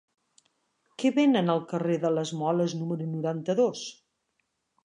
Què venen al carrer de les Moles número noranta-dos?